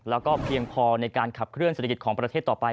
แล้วก็เพียงพอในการขับเคลื่อเศรษฐกิจของประเทศต่อไป